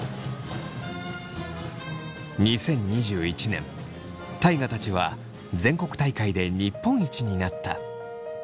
２０２１年大我たちは全国大会で日本一になった。